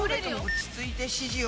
落ち着いて指示を。